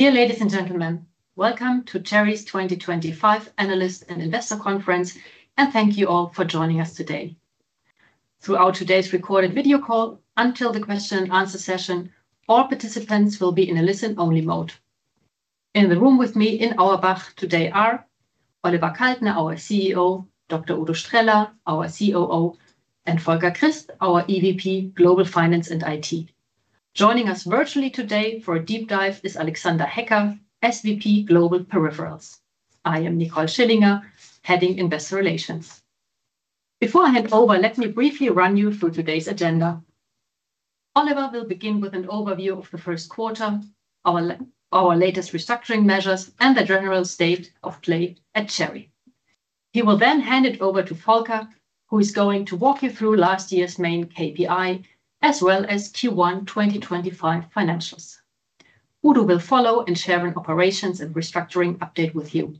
Dear ladies and gentlemen, welcome to Cherry's 2025 Analyst and Investor Conference, and thank you all for joining us today. Throughout today's recorded video call, until the question-and-answer session, all participants will be in a listen-only mode. In the room with me in Auerbach today are: Oliver Kaltner, our CEO; Dr. Udo Streller, our COO; and Volker Christ, our EVP, Global Finance and IT. Joining us virtually today for a deep dive is Alexander Hecker, SVP Global Peripherals. I am Nicole Schillinger, heading Investor Relations. Before I hand over, let me briefly run you through today's agenda. Oliver will begin with an overview of the first quarter, our latest restructuring measures, and the general state of play at Cherry. He will then hand it over to Volker, who is going to walk you through last year's main KPI, as well as Q1 2025 financials. Udo will follow and share an operations and restructuring update with you.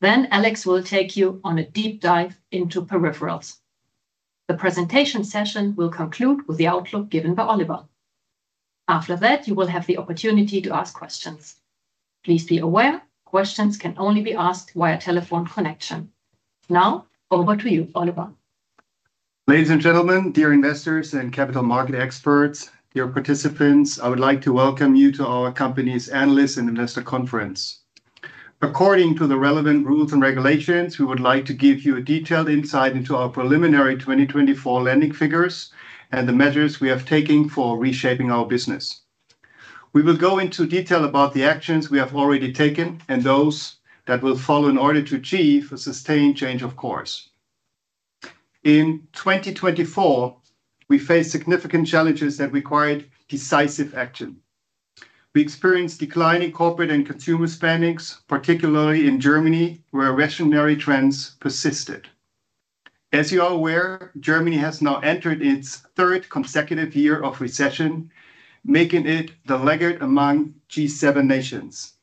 Then Alex will take you on a deep dive into peripherals. The presentation session will conclude with the outlook given by Oliver. After that, you will have the opportunity to ask questions. Please be aware, questions can only be asked via telephone connection. Now, over to you, Oliver. Ladies and gentlemen, dear investors and capital market experts, dear participants, I would like to welcome you to our company's Analyst and Investor Conference. According to the relevant rules and regulations, we would like to give you a detailed insight into our preliminary 2024 lending figures and the measures we have taken for reshaping our business. We will go into detail about the actions we have already taken and those that will follow in order to achieve a sustained change of course. In 2024, we faced significant challenges that required decisive action. We experienced declining corporate and consumer spending, particularly in Germany, where rationary trends persisted. As you are aware, Germany has now entered its third consecutive year of recession, making it the laggard among G7 nations.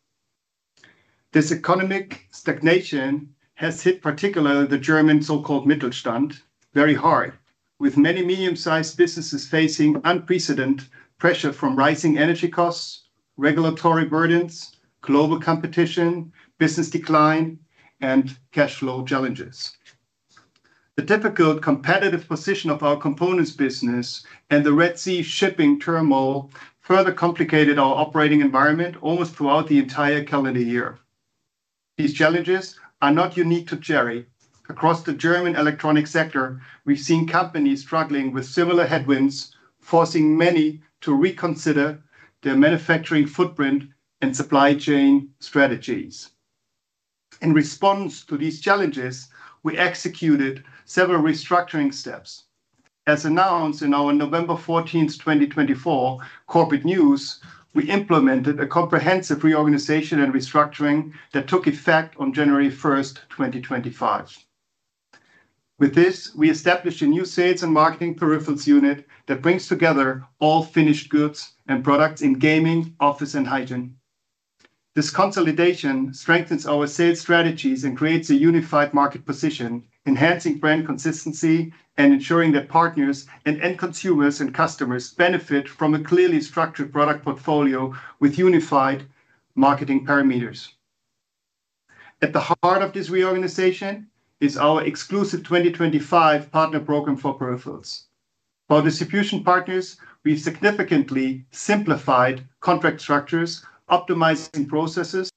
This economic stagnation has hit particularly the German so-called Mittelstand very hard, with many medium-sized businesses facing unprecedented pressure from rising energy costs, regulatory burdens, global competition, business decline, and cash flow challenges. The difficult competitive position of our components business and the Red Sea shipping turmoil further complicated our operating environment almost throughout the entire calendar year. These challenges are not unique to Cherry. Across the German electronics sector, we've seen companies struggling with similar headwinds, forcing many to reconsider their manufacturing footprint and supply chain strategies. In response to these challenges, we executed several restructuring steps. As announced in our November 14th, 2024, Corporate News, we implemented a comprehensive reorganization and restructuring that took effect on January 1st, 2025. With this, we established a new sales and marketing peripherals unit that brings together all finished goods and products in gaming, office, and hygiene. This consolidation strengthens our sales strategies and creates a unified market position, enhancing brand consistency and ensuring that partners and end consumers and customers benefit from a clearly structured product portfolio with unified marketing parameters. At the heart of this reorganization is our exclusive 2025 partner program for peripherals. For distribution partners, we've significantly simplified contract structures, optimizing processes.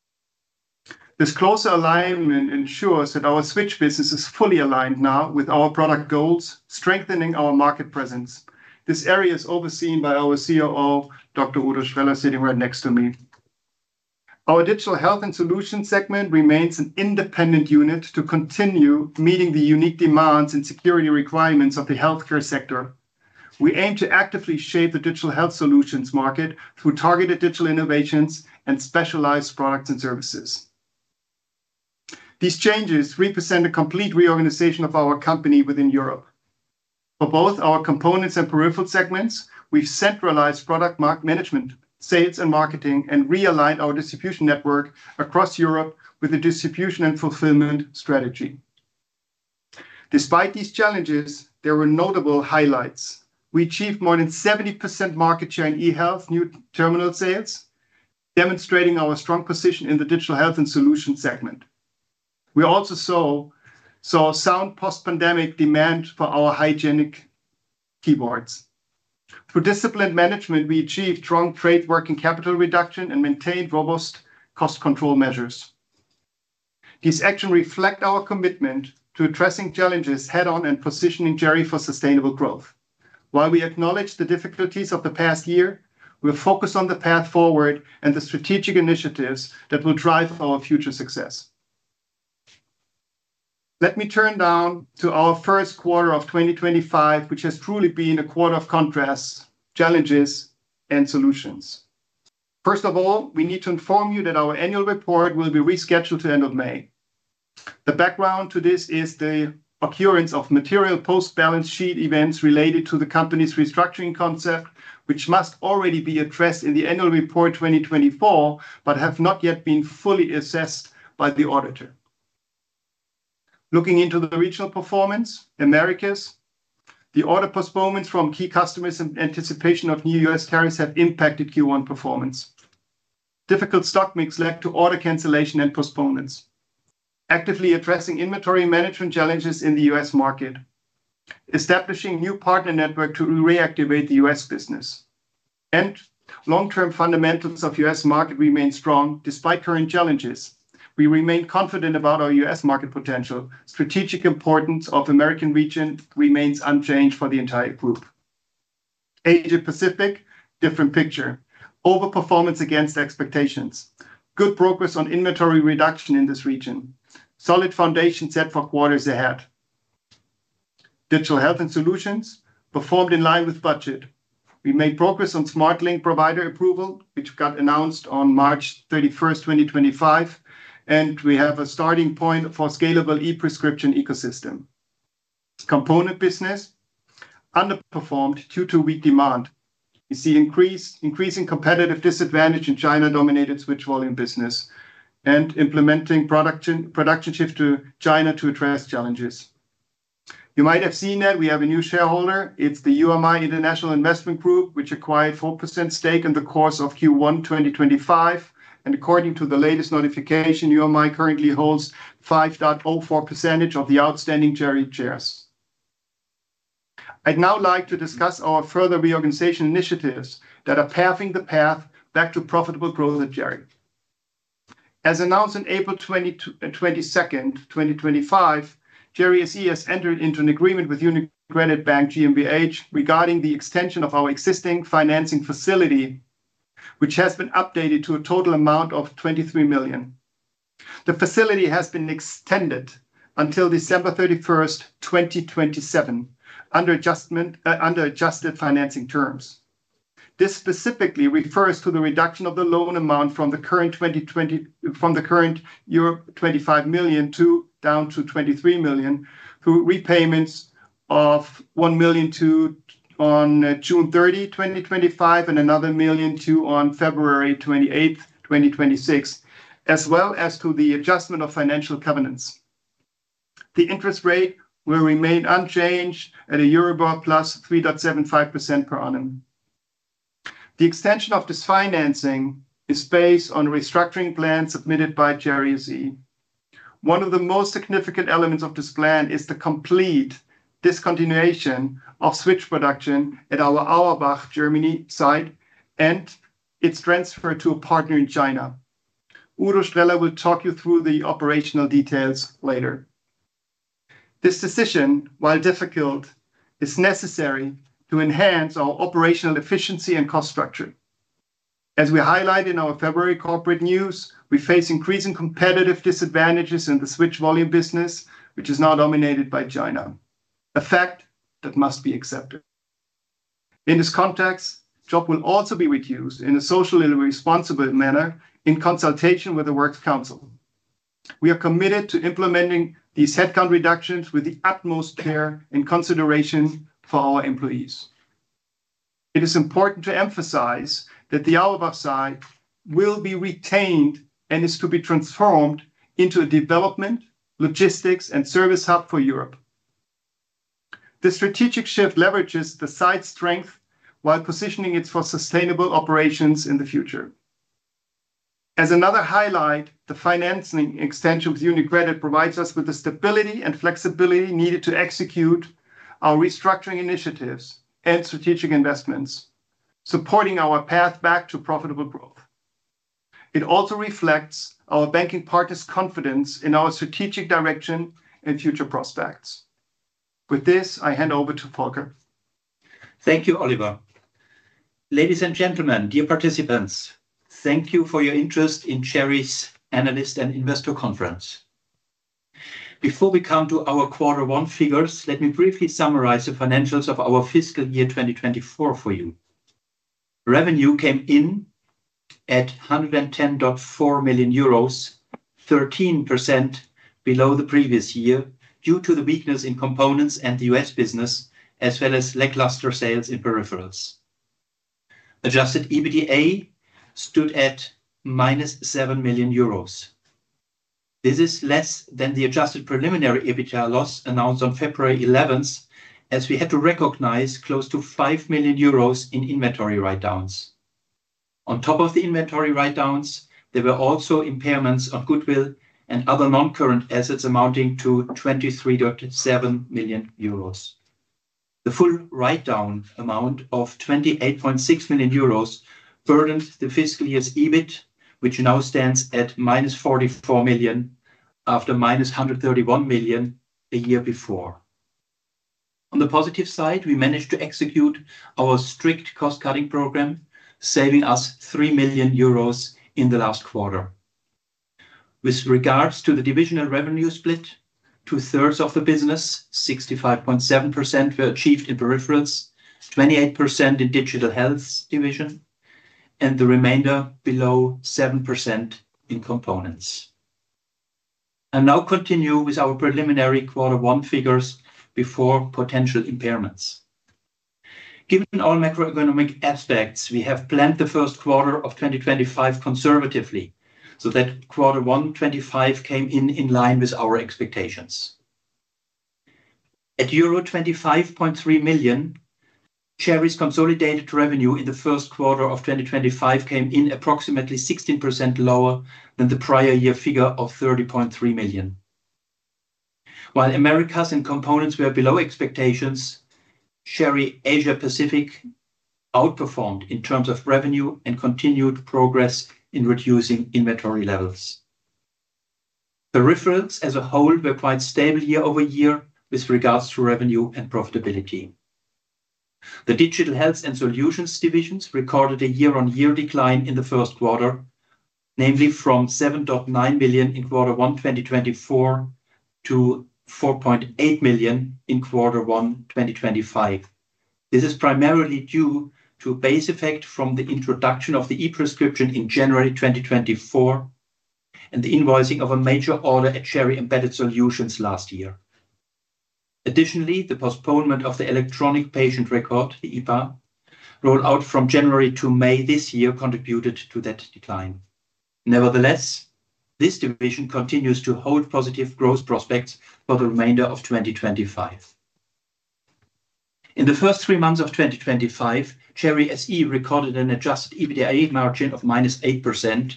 This closer alignment ensures that our switch business is fully aligned now with our product goals, strengthening our market presence. This area is overseen by our COO, Dr. Udo Streller, sitting right next to me. Our digital health and solutions segment remains an independent unit to continue meeting the unique demands and security requirements of the healthcare sector. We aim to actively shape the digital health solutions market through targeted digital innovations and specialized products and services. These changes represent a complete reorganization of our company within Europe. For both our components and peripheral segments, we've centralized product market management, sales and marketing, and realigned our distribution network across Europe with a distribution and fulfillment strategy. Despite these challenges, there were notable highlights. We achieved more than 70% market share in e-health new terminal sales, demonstrating our strong position in the digital health and solutions segment. We also saw sound post-pandemic demand for our hygienic keyboards. Through disciplined management, we achieved strong trade working capital reduction and maintained robust cost control measures. These actions reflect our commitment to addressing challenges head-on and positioning Cherry for sustainable growth. While we acknowledge the difficulties of the past year, we'll focus on the path forward and the strategic initiatives that will drive our future success. Let me turn now to our first quarter of 2025, which has truly been a quarter of contrasts, challenges, and solutions. First of all, we need to inform you that our annual report will be rescheduled to end of May. The background to this is the occurrence of material post-balance sheet events related to the company's restructuring concept, which must already be addressed in the annual report 2024, but have not yet been fully assessed by the auditor. Looking into the regional performance, Americas, the order postponements from key customers in anticipation of new U.S. tariffs have impacted Q1 performance. Difficult stock mix led to order cancellation and postponements, actively addressing inventory management challenges in the U.S. market, establishing a new partner network to reactivate the U.S. business. The long-term fundamentals of the U.S. market remain strong despite current challenges. We remain confident about our U.S. market potential. Strategic importance of the American region remains unchanged for the entire group. Asia-Pacific, different picture. Overperformance against expectations. Good progress on inventory reduction in this region. Solid foundation set for quarters ahead. Digital health and solutions performed in line with budget. We made progress on SmartLink provider approval, which got announced on March 31st, 2025, and we have a starting point for a scalable e-prescription ecosystem. Component business underperformed due to weak demand. We see increasing competitive disadvantage in China-dominated switch volume business and implementing production shift to China to address challenges. You might have seen that we have a new shareholder. It's the UMI International Investment Group, which acquired a 4% stake in the course of Q1 2025. According to the latest notification, UMI currently holds 5.04% of the outstanding Cherry shares. I'd now like to discuss our further reorganization initiatives that are paving the path back to profitable growth at Cherry. As announced on April 22nd, 2025, Cherry has entered into an agreement with UniCredit Bank GmbH regarding the extension of our existing financing facility, which has been updated to a total amount of 23 million. The facility has been extended until December 31st, 2027, under adjusted financing terms. This specifically refers to the reduction of the loan amount from the current 25 million down to 23 million through repayments of 1 million on June 30, 2025, and another 1 million on February 28th, 2026, as well as to the adjustment of financial covenants. The interest rate will remain unchanged at a Euribor plus 3.75% per annum. The extension of this financing is based on restructuring plans submitted by Cherry. One of the most significant elements of this plan is the complete discontinuation of switch production at our Auerbach, Germany site, and its transfer to a partner in China. Udo Streller will talk you through the operational details later. This decision, while difficult, is necessary to enhance our operational efficiency and cost structure. As we highlight in our February corporate news, we face increasing competitive disadvantages in the switch volume business, which is now dominated by China, a fact that must be accepted. In this context, jobs will also be reduced in a socially responsible manner in consultation with the Works Council. We are committed to implementing these headcount reductions with the utmost care and consideration for our employees. It is important to emphasize that the Auerbach site will be retained and is to be transformed into a development, logistics, and service hub for Europe. The strategic shift leverages the site's strength while positioning it for sustainable operations in the future. As another highlight, the financing extension with UniCredit provides us with the stability and flexibility needed to execute our restructuring initiatives and strategic investments, supporting our path back to profitable growth. It also reflects our banking partner's confidence in our strategic direction and future prospects. With this, I hand over to Volker. Thank you, Oliver. Ladies and gentlemen, dear participants, thank you for your interest in Cherry's Analyst and Investor Conference. Before we come to our quarter one figures, let me briefly summarize the financials of our fiscal year 2024 for you. Revenue came in at 110.4 million euros, 13% below the previous year due to the weakness in components and the U.S. business, as well as lackluster sales in peripherals. Adjusted EBITDA stood at -7 million euros. This is less than the adjusted preliminary EBITDA loss announced on February 11th, as we had to recognize close to 5 million euros in inventory write-downs. On top of the inventory write-downs, there were also impairments on goodwill and other non-current assets amounting to 23.7 million euros. The full write-down amount of 28.6 million euros burdened the fiscal year's EBIT, which now stands at -44 million after -131 million a year before. On the positive side, we managed to execute our strict cost-cutting program, saving us 3 million euros in the last quarter. With regards to the divisional revenue split, 2/3 of the business, 65.7%, were achieved in peripherals, 28% in digital health division, and the remainder below 7% in components. I'll now continue with our preliminary quarter one figures before potential impairments. Given all macroeconomic aspects, we have planned the first quarter of 2025 conservatively so that quarter one 2025 came in in line with our expectations. At euro 25.3 million, Cherry's consolidated revenue in the first quarter of 2025 came in approximately 16% lower than the prior year figure of 30.3 million. While Americas and components were below expectations, Cherry Asia-Pacific outperformed in terms of revenue and continued progress in reducing inventory levels. Peripherals as a whole were quite stable year over year with regards to revenue and profitability. The digital health and solutions divisions recorded a year-on-year decline in the first quarter, namely from 7.9 million in quarter one 2024 to 4.8 million in quarter one 2025. This is primarily due to base effect from the introduction of the e-prescription in January 2024 and the invoicing of a major order at Cherry Embedded Solutions last year. Additionally, the postponement of the electronic patient record, the EPA, rolled out from January to May this year contributed to that decline. Nevertheless, this division continues to hold positive growth prospects for the remainder of 2025. In the first three months of 2025, Cherry SE recorded an adjusted EBITDA margin of -8%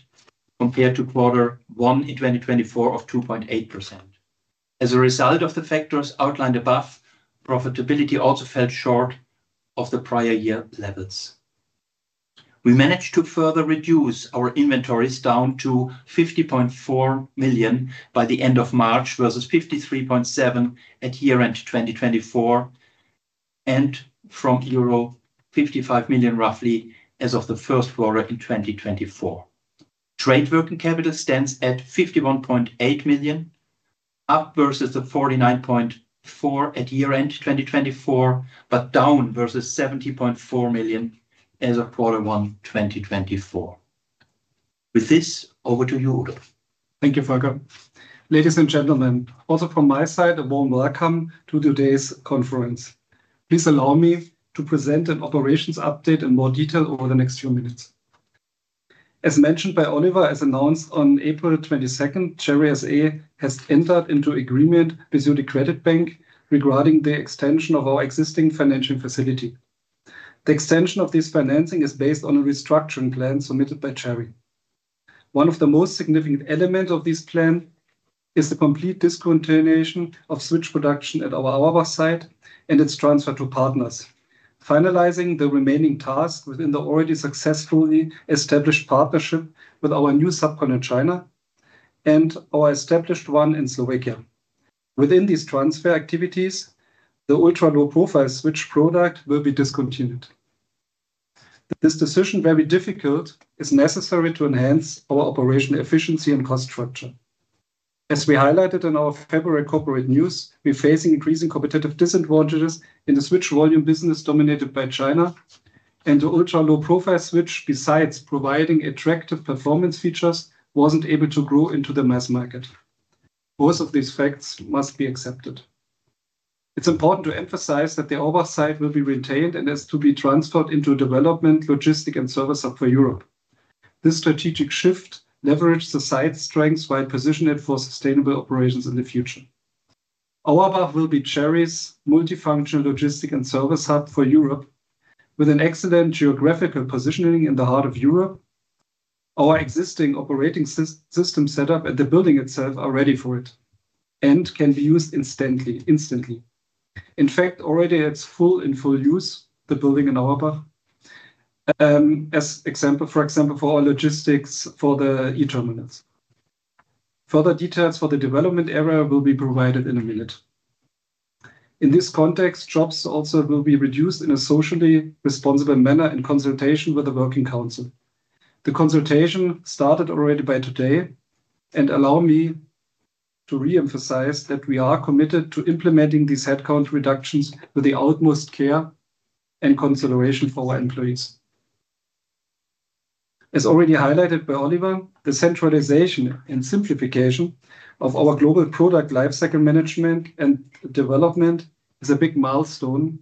compared to quarter one in 2024 of 2.8%. As a result of the factors outlined above, profitability also fell short of the prior year levels. We managed to further reduce our inventories down to 50.4 million by the end of March versus 53.7 million at year-end 2024 and from euro 55 million roughly as of the first quarter in 2024. Trade working capital stands at 51.8 million, up versus the 49.4 million at year-end 2024, but down versus 70.4 million as of quarter one 2024. With this, over to you, Udo. Thank you, Volker. Ladies and gentlemen, also from my side, a warm welcome to today's conference. Please allow me to present an operations update in more detail over the next few minutes. As mentioned by Oliver, as announced on April 22, Cherry SE has entered into agreement with UniCredit Bank regarding the extension of our existing financing facility. The extension of this financing is based on a restructuring plan submitted by Cherry. One of the most significant elements of this plan is the complete discontinuation of switch production at our Auerbach site and its transfer to partners, finalizing the remaining tasks within the already successfully established partnership with our new subcontinent China and our established one in Slovakia. Within these transfer activities, the ultra-low-profile switch product will be discontinued. This decision, very difficult, is necessary to enhance our operational efficiency and cost structure. As we highlighted in our February corporate news, we're facing increasing competitive disadvantages in the switch volume business dominated by China, and the ultra-low-profile switch, besides providing attractive performance features, wasn't able to grow into the mass market. Both of these facts must be accepted. It's important to emphasize that the Auerbach site will be retained and is to be transferred into a development, logistic, and service hub for Europe. This strategic shift leverages the site's strengths while positioning it for sustainable operations in the future. Auerbach will be Cherry's multifunctional logistic and service hub for Europe, with an excellent geographical positioning in the heart of Europe. Our existing operating system setup and the building itself are ready for it and can be used instantly. In fact, already it's in full use, the building in Auerbach, for example, for our logistics for the e-terminals. Further details for the development area will be provided in a minute. In this context, jobs also will be reduced in a socially responsible manner in consultation with the Working Council. The consultation started already by today, and allow me to reemphasize that we are committed to implementing these headcount reductions with the utmost care and consideration for our employees. As already highlighted by Oliver, the centralization and simplification of our global product lifecycle management and development is a big milestone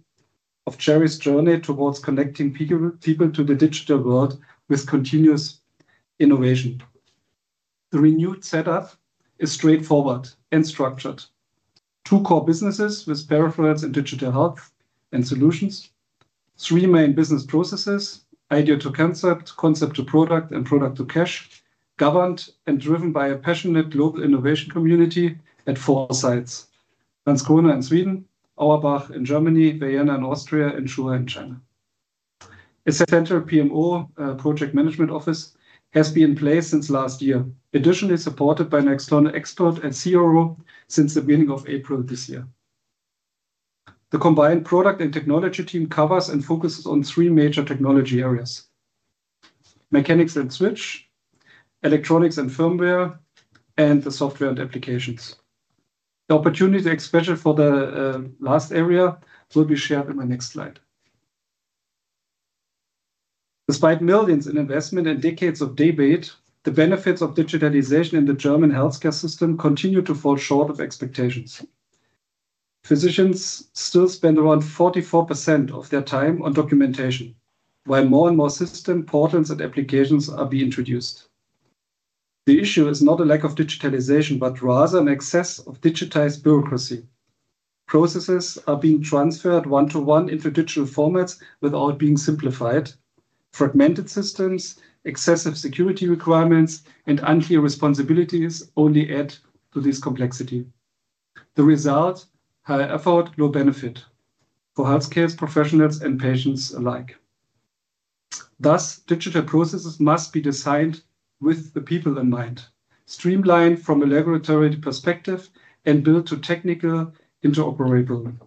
of Cherry's journey towards connecting people to the digital world with continuous innovation. The renewed setup is straightforward and structured. Two core businesses with peripherals and digital health and solutions. Three main business processes: idea to concept, concept to product, and product to cash, governed and driven by a passionate global innovation community at four sites: Landskrona in Sweden, Auerbach in Germany, Vienna in Austria, and Zhuhai in China. A central PMO project management office has been in place since last year, additionally supported by an external expert at CRO since the beginning of April this year. The combined product and technology team covers and focuses on three major technology areas: mechanics and switch, electronics and firmware, and the software and applications. The opportunity expression for the last area will be shared in my next slide. Despite millions in investment and decades of debate, the benefits of digitalization in the German healthcare system continue to fall short of expectations. Physicians still spend around 44% of their time on documentation, while more and more systems, portals, and applications are being introduced. The issue is not a lack of digitalization, but rather an excess of digitized bureaucracy. Processes are being transferred one-to-one into digital formats without being simplified. Fragmented systems, excessive security requirements, and unclear responsibilities only add to this complexity. The result: high effort, low benefit for healthcare professionals and patients alike. Thus, digital processes must be designed with the people in mind, streamlined from a laboratory perspective, and built to technical interoperability.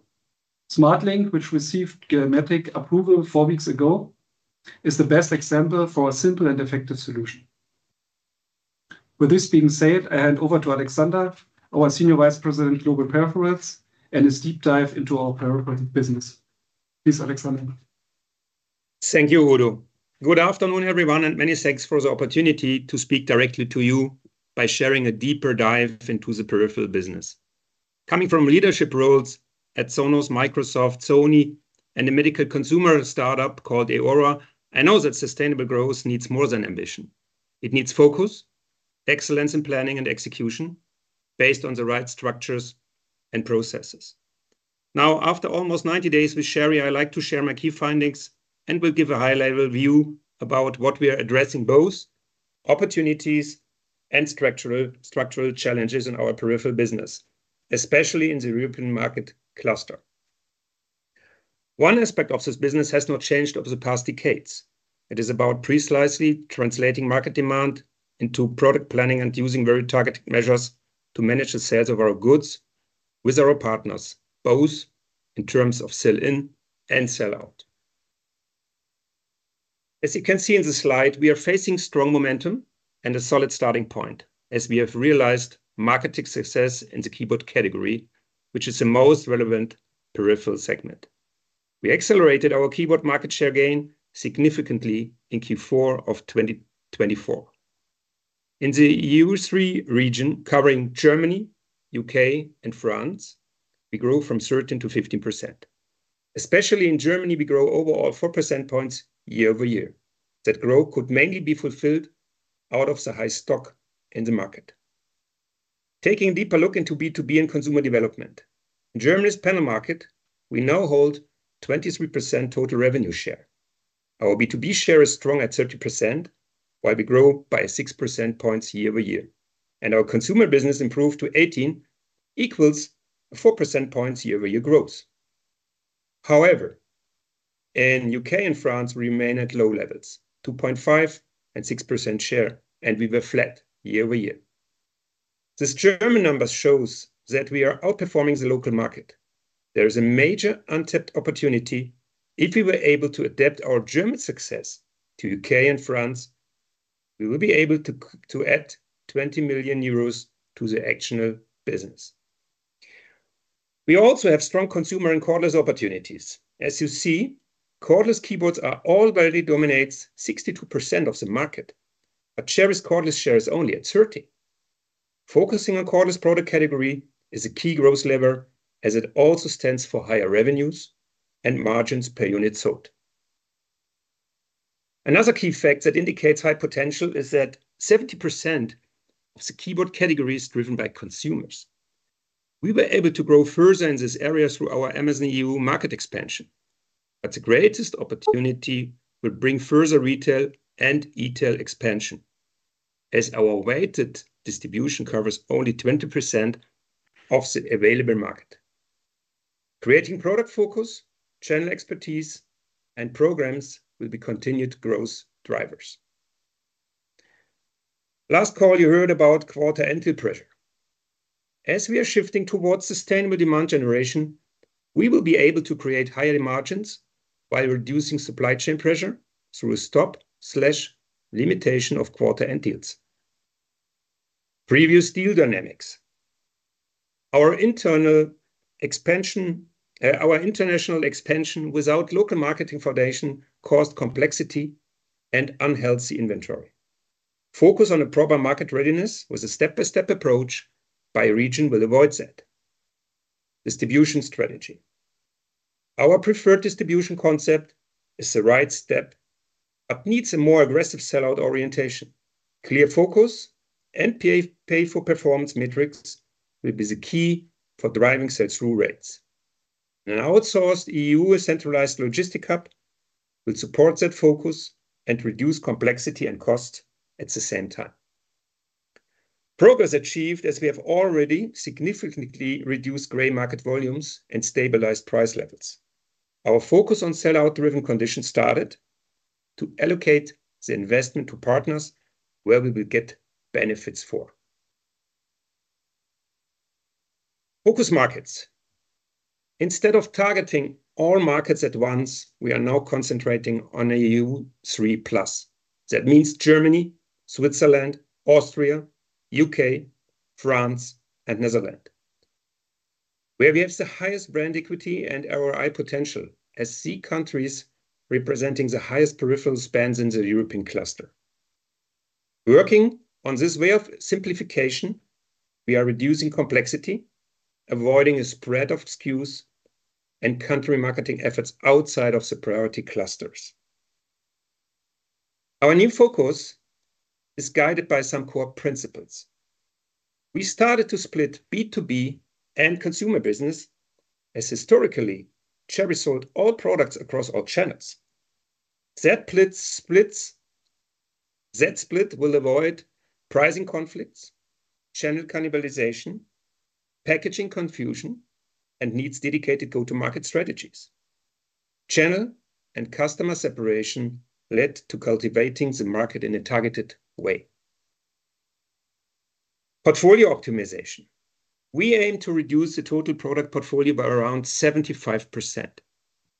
SmartLink, which received geometric approval four weeks ago, is the best example for a simple and effective solution. With this being said, I hand over to Alexander, our Senior Vice President, Global Peripherals, and his deep dive into our peripheral business. Please, Alexander. Thank you, Udo. Good afternoon, everyone, and many thanks for the opportunity to speak directly to you by sharing a deeper dive into the peripheral business. Coming from leadership roles at Sonos, Microsoft, Sony, and a medical consumer startup called Aora, I know that sustainable growth needs more than ambition. It needs focus, excellence in planning and execution based on the right structures and processes. Now, after almost 90 days with Cherry, I'd like to share my key findings and will give a high-level view about what we are addressing: both opportunities and structural challenges in our peripheral business, especially in the European market cluster. One aspect of this business has not changed over the past decades. It is about precisely translating market demand into product planning and using very targeted measures to manage the sales of our goods with our partners, both in terms of sell-in and sell-out. As you can see in the slide, we are facing strong momentum and a solid starting point, as we have realized marketing success in the keyboard category, which is the most relevant peripheral segment. We accelerated our keyboard market share gain significantly in Q4 of 2024. In the EU3 region, covering Germany, U.K., and France, we grew from 13%-15%. Especially in Germany, we grow overall 4% points year-over-year. That growth could mainly be fulfilled out of the high stock in the market. Taking a deeper look into B2B and consumer development, in Germany's panel market, we now hold 23% total revenue share. Our B2B share is strong at 30%, while we grow by 6% points year-over-year. Our consumer business improved to 18%, equals 4% points year-over-year growth. However, in the U.K. and France, we remain at low levels, 2.5% and 6% share, and we were flat year-over-year. This German number shows that we are outperforming the local market. There is a major untapped opportunity. If we were able to adapt our German success to the U.K. and France, we will be able to add 20 million euros to the actual business. We also have strong consumer and cordless opportunities. As you see, cordless keyboards are already dominating 62% of the market, but Cherry's cordless share is only at 30%. Focusing on cordless product category is a key growth lever, as it also stands for higher revenues and margins per unit sold. Another key fact that indicates high potential is that 70% of the keyboard category is driven by consumers. We were able to grow further in this area through our Amazon EU market expansion. The greatest opportunity will bring further retail and e-tail expansion, as our weighted distribution covers only 20% of the available market. Creating product focus, channel expertise, and programs will be continued growth drivers. Last call, you heard about quarter end deal pressure. As we are shifting towards sustainable demand generation, we will be able to create higher margins while reducing supply chain pressure through stop/limitation of quarter end deals. Previous deal dynamics. Our international expansion without local marketing foundation caused complexity and unhealthy inventory. Focus on a proper market readiness with a step-by-step approach by region will avoid that. Distribution strategy. Our preferred distribution concept is the right step, but needs a more aggressive sell-out orientation. Clear focus and pay-for-performance metrics will be the key for driving sales through rates. An outsourced EU centralized logistic hub will support that focus and reduce complexity and cost at the same time. Progress achieved as we have already significantly reduced gray market volumes and stabilized price levels. Our focus on sell-out-driven conditions started to allocate the investment to partners where we will get benefits for. Focus markets. Instead of targeting all markets at once, we are now concentrating on EU3+. That means Germany, Switzerland, Austria, U.K., France, and Netherlands, where we have the highest brand equity and ROI potential as these countries representing the highest peripheral spends in the European cluster. Working on this way of simplification, we are reducing complexity, avoiding a spread of SKUs and country marketing efforts outside of the priority clusters. Our new focus is guided by some core principles. We started to split B2B and consumer business, as historically Cherry sold all products across all channels. That split will avoid pricing conflicts, channel cannibalization, packaging confusion, and needs dedicated go-to-market strategies. Channel and customer separation led to cultivating the market in a targeted way. Portfolio optimization. We aim to reduce the total product portfolio by around 75%,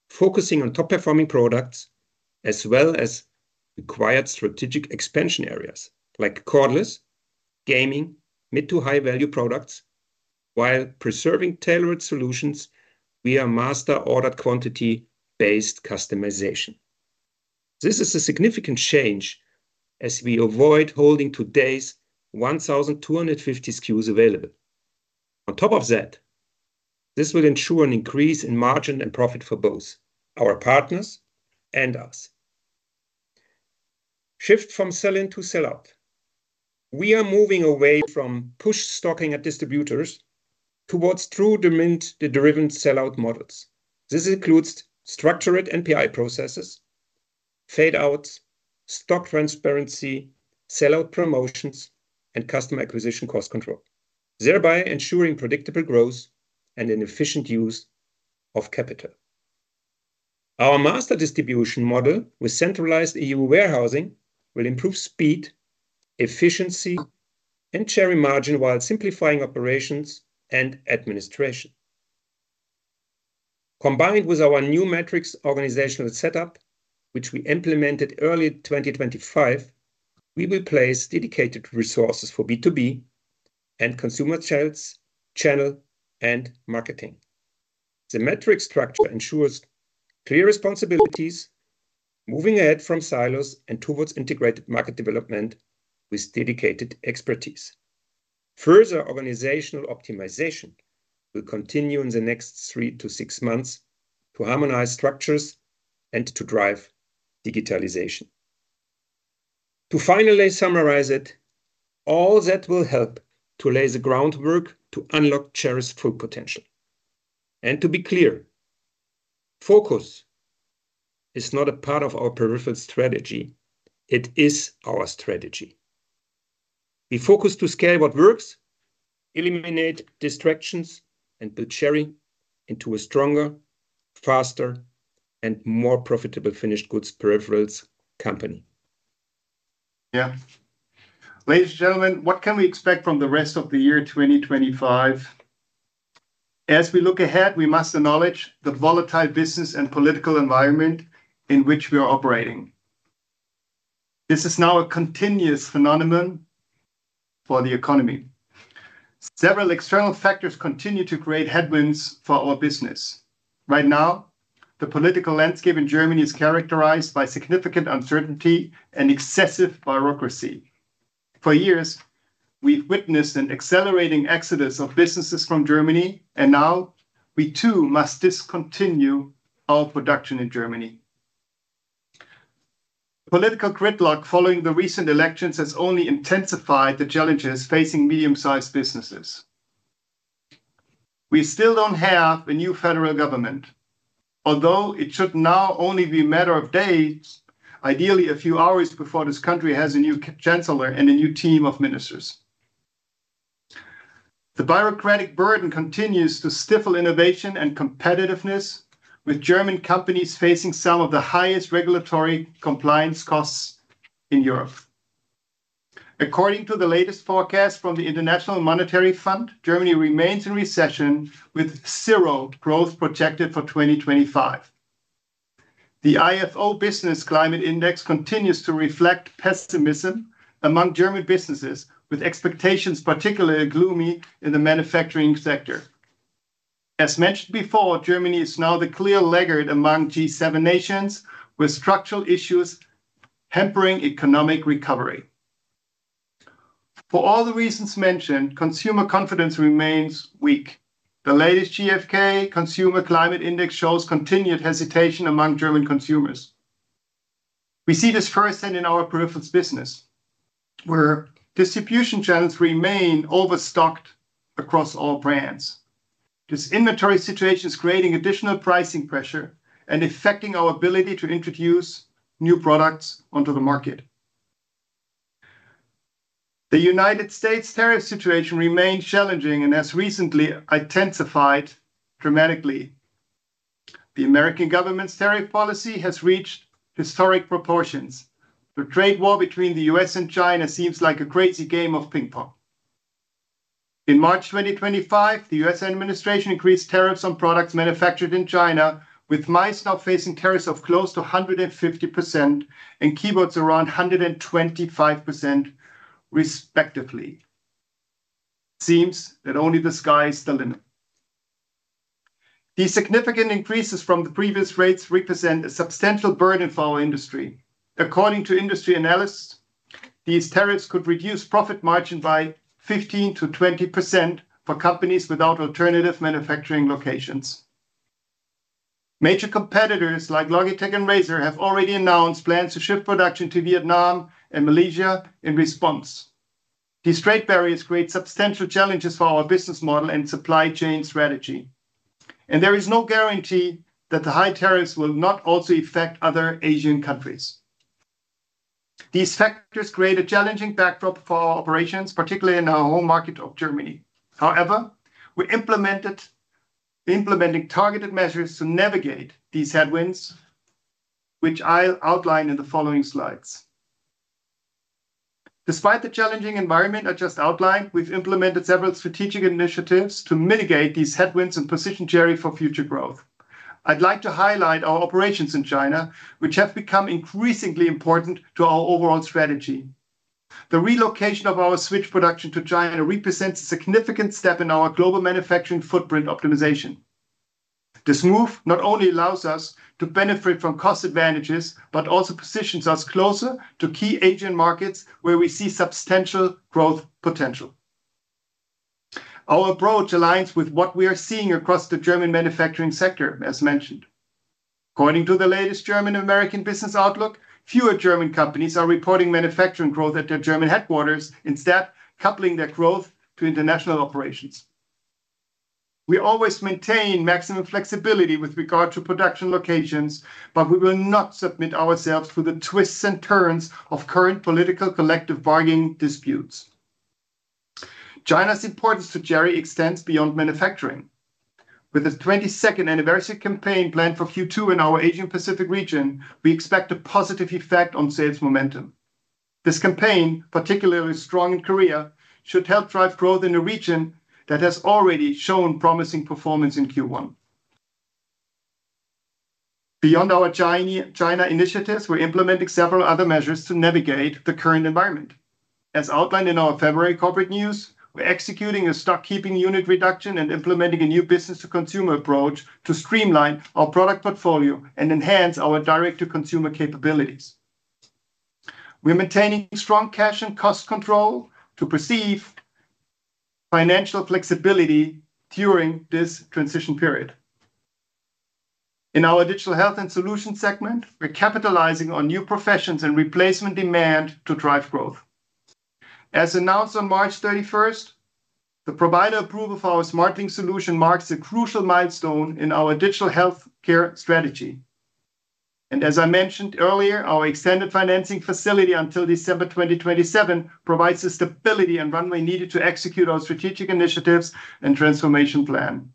focusing on top-performing products as well as required strategic expansion areas like cordless, gaming, mid-to-high-value products, while preserving tailored solutions via master order quantity-based customization. This is a significant change as we avoid holding today's 1,250 SKUs available. On top of that, this will ensure an increase in margin and profit for both our partners and us. Shift from sell-in to sell-out. We are moving away from push stocking at distributors towards true demand-driven sell-out models. This includes structured NPI processes, fade-outs, stock transparency, sell-out promotions, and customer acquisition cost control, thereby ensuring predictable growth and an efficient use of capital. Our master distribution model with centralized EU warehousing will improve speed, efficiency, and Cherry margin while simplifying operations and administration. Combined with our new metrics organizational setup, which we implemented early 2025, we will place dedicated resources for B2B and consumer channel and marketing. The metrics structure ensures clear responsibilities moving ahead from silos and towards integrated market development with dedicated expertise. Further organizational optimization will continue in the next three to six months to harmonize structures and to drive digitalization. To finally summarize it, all that will help to lay the groundwork to unlock Cherry's full potential. To be clear, focus is not a part of our peripheral strategy. It is our strategy. We focus to scale what works, eliminate distractions, and build Cherry into a stronger, faster, and more profitable finished goods peripherals company. Yeah. Ladies and gentlemen, what can we expect from the rest of the year 2025? As we look ahead, we must acknowledge the volatile business and political environment in which we are operating. This is now a continuous phenomenon for the economy. Several external factors continue to create headwinds for our business. Right now, the political landscape in Germany is characterized by significant uncertainty and excessive bureaucracy. For years, we've witnessed an accelerating exodus of businesses from Germany, and now we too must discontinue our production in Germany. Political gridlock following the recent elections has only intensified the challenges facing medium-sized businesses. We still don't have a new federal government, although it should now only be a matter of days, ideally a few hours before this country has a new chancellor and a new team of ministers. The bureaucratic burden continues to stifle innovation and competitiveness, with German companies facing some of the highest regulatory compliance costs in Europe. According to the latest forecast from the International Monetary Fund, Germany remains in recession with zero growth projected for 2025. The IFO Business Climate Index continues to reflect pessimism among German businesses, with expectations particularly gloomy in the manufacturing sector. As mentioned before, Germany is now the clear laggard among G7 nations, with structural issues hampering economic recovery. For all the reasons mentioned, consumer confidence remains weak. The latest GfK Consumer Climate Index shows continued hesitation among German consumers. We see this firsthand in our peripheral business, where distribution channels remain overstocked across all brands. This inventory situation is creating additional pricing pressure and affecting our ability to introduce new products onto the market. The U.S. tariff situation remains challenging and has recently intensified dramatically. The American government's tariff policy has reached historic proportions. The trade war between the U.S. and China seems like a crazy game of ping pong. In March 2025, the U.S. administration increased tariffs on products manufactured in China, with mice now facing tariffs of close to 150% and keyboards around 125%, respectively. It seems that only the sky is the limit. These significant increases from the previous rates represent a substantial burden for our industry. According to industry analysts, these tariffs could reduce profit margin by 15%-20% for companies without alternative manufacturing locations. Major competitors like Logitech and Razer have already announced plans to shift production to Vietnam and Malaysia in response. These trade barriers create substantial challenges for our business model and supply chain strategy. There is no guarantee that the high tariffs will not also affect other Asian countries. These factors create a challenging backdrop for our operations, particularly in our home market of Germany. However, we're implementing targeted measures to navigate these headwinds, which I'll outline in the following slides. Despite the challenging environment I just outlined, we've implemented several strategic initiatives to mitigate these headwinds and position Cherry for future growth. I'd like to highlight our operations in China, which have become increasingly important to our overall strategy. The relocation of our switch production to China represents a significant step in our global manufacturing footprint optimization. This move not only allows us to benefit from cost advantages, but also positions us closer to key Asian markets where we see substantial growth potential. Our approach aligns with what we are seeing across the German manufacturing sector, as mentioned. According to the latest German-American business outlook, fewer German companies are reporting manufacturing growth at their German headquarters, instead coupling their growth to international operations. We always maintain maximum flexibility with regard to production locations, but we will not submit ourselves to the twists and turns of current political collective bargaining disputes. China's importance to Cherry extends beyond manufacturing. With a 22nd anniversary campaign planned for Q2 in our Asia-Pacific region, we expect a positive effect on sales momentum. This campaign, particularly strong in Korea, should help drive growth in a region that has already shown promising performance in Q1. Beyond our China initiatives, we're implementing several other measures to navigate the current environment. As outlined in our February corporate news, we're executing a SKU reduction and implementing a new business-to-consumer approach to streamline our product portfolio and enhance our direct-to-consumer capabilities. We're maintaining strong cash and cost control to preserve financial flexibility during this transition period. In our digital health and solution segment, we're capitalizing on new professions and replacement demand to drive growth. As announced on March 31st, the provider approval of our SmartLink solution marks a crucial milestone in our digital healthcare strategy. As I mentioned earlier, our extended financing facility until December 2027 provides the stability and runway needed to execute our strategic initiatives and transformation plan.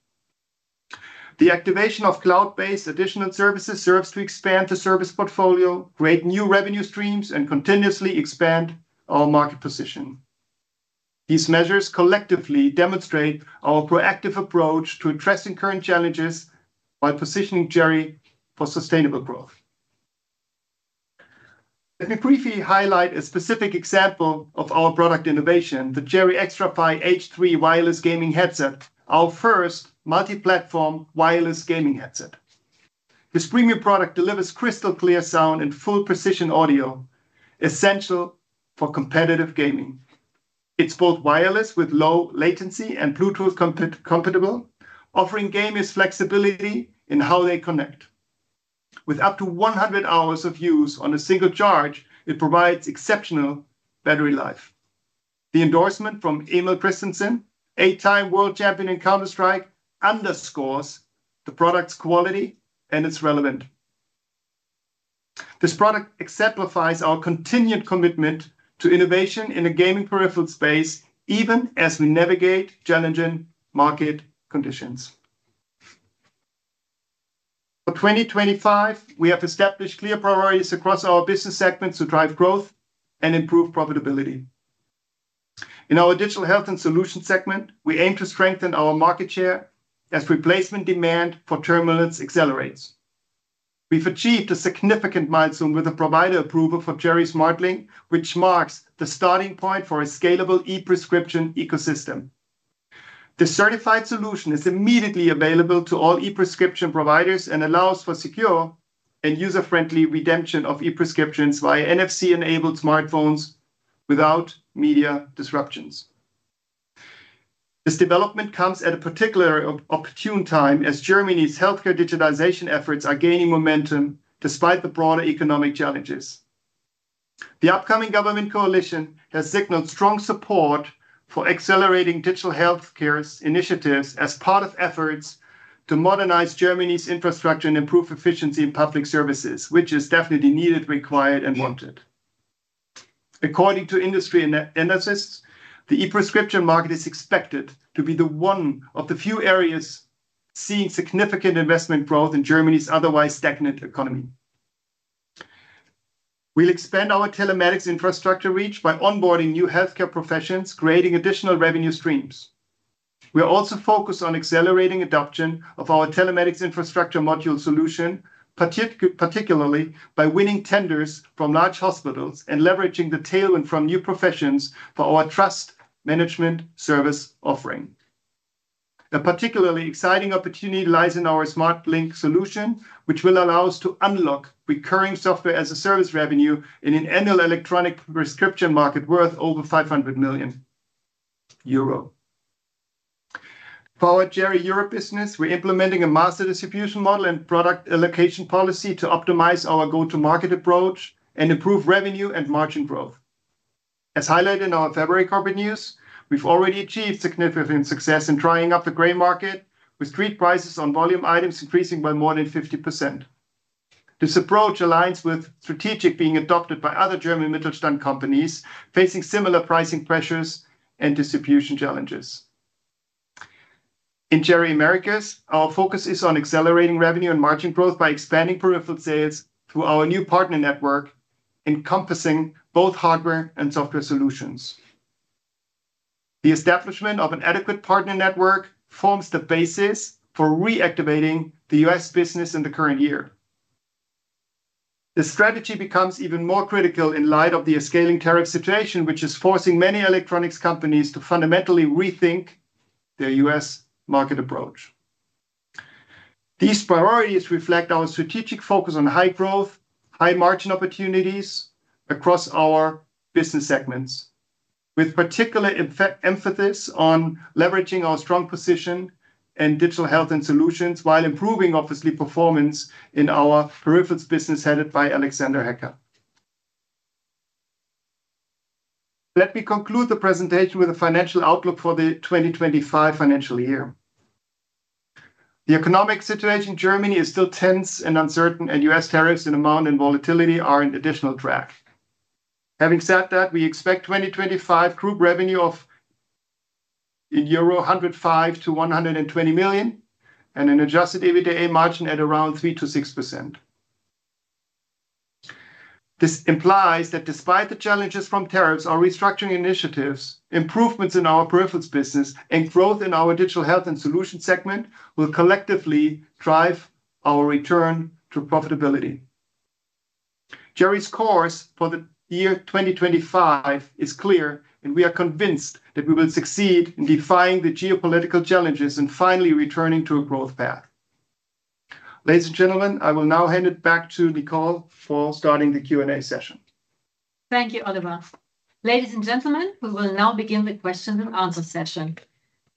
The activation of cloud-based additional services serves to expand the service portfolio, create new revenue streams, and continuously expand our market position. These measures collectively demonstrate our proactive approach to addressing current challenges while positioning Cherry for sustainable growth. Let me briefly highlight a specific example of our product innovation, the CERRY XTRFY H3 wireless gaming headset, our first multi-platform wireless gaming headset. This premium product delivers crystal clear sound and full precision audio, essential for competitive gaming. It's both wireless with low latency and Bluetooth compatible, offering gamers flexibility in how they connect. With up to 100 hours of use on a single charge, it provides exceptional battery life. The endorsement from Emil Christensen, eight-time world champion in Counter-Strike, underscores the product's quality and its relevance. This product exemplifies our continued commitment to innovation in the gaming peripheral space, even as we navigate challenging market conditions. For 2025, we have established clear priorities across our business segments to drive growth and improve profitability. In our digital health and solution segment, we aim to strengthen our market share as replacement demand for terminals accelerates. We've achieved a significant milestone with a provider approval for Cherry SmartLink, which marks the starting point for a scalable e-prescription ecosystem. The certified solution is immediately available to all e-prescription providers and allows for secure and user-friendly redemption of e-prescriptions via NFC-enabled smartphones without media disruptions. This development comes at a particularly opportune time as Germany's healthcare digitization efforts are gaining momentum despite the broader economic challenges. The upcoming government coalition has signaled strong support for accelerating digital healthcare initiatives as part of efforts to modernize Germany's infrastructure and improve efficiency in public services, which is definitely needed, required, and wanted. According to industry analysts, the e-prescription market is expected to be one of the few areas seeing significant investment growth in Germany's otherwise stagnant economy. We'll expand our telematics infrastructure reach by onboarding new healthcare professions, creating additional revenue streams. We're also focused on accelerating adoption of our telematics infrastructure module solution, particularly by winning tenders from large hospitals and leveraging the tailwind from new professions for our trust management service offering. A particularly exciting opportunity lies in our SmartLink solution, which will allow us to unlock recurring software-as-a-service revenue in an annual electronic prescription market worth over 500 million euro. For our Cherry Europe business, we're implementing a master distribution model and product allocation policy to optimize our go-to-market approach and improve revenue and margin growth. As highlighted in our February corporate news, we've already achieved significant success in drying up the gray market, with street prices on volume items increasing by more than 50%. This approach aligns with strategies being adopted by other German Mittelstand companies facing similar pricing pressures and distribution challenges. In Cherry Americas, our focus is on accelerating revenue and margin growth by expanding peripheral sales through our new partner network, encompassing both hardware and software solutions. The establishment of an adequate partner network forms the basis for reactivating the U.S. business in the current year. The strategy becomes even more critical in light of the escalating tariff situation, which is forcing many electronics companies to fundamentally rethink their U.S. market approach. These priorities reflect our strategic focus on high growth, high margin opportunities across our business segments, with particular emphasis on leveraging our strong position in digital health and solutions while improving, obviously, performance in our peripheral business headed by Alexander Hecker. Let me conclude the presentation with a financial outlook for the 2025 financial year. The economic situation in Germany is still tense and uncertain, and U.S. tariffs in amount and volatility are an additional drag. Having said that, we expect 2025 group revenue of euro 105 million-$120 million and an adjusted EBITDA margin at around 3%-6%. This implies that despite the challenges from tariffs, our restructuring initiatives, improvements in our peripheral business, and growth in our digital health and solution segment will collectively drive our return to profitability. Cherry's course for the year 2025 is clear, and we are convinced that we will succeed in defying the geopolitical challenges and finally returning to a growth path. Ladies and gentlemen, I will now hand it back to Nicole for starting the Q&A session. Thank you, Oliver. Ladies and gentlemen, we will now begin the question and answer session.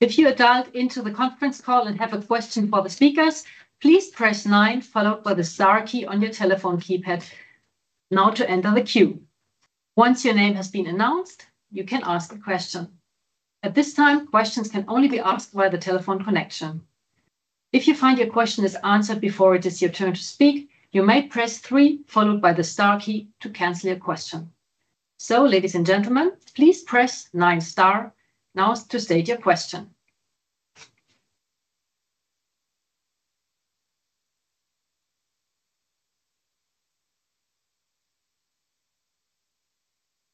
If you are dialed into the conference call and have a question for the speakers, please press nine, followed by the star key on your telephone keypad. Now to enter the queue. Once your name has been announced, you can ask a question. At this time, questions can only be asked via the telephone connection. If you find your question is answered before it is your turn to speak, you may press three, followed by the star key to cancel your question. Ladies and gentlemen, please press nine star now to state your question.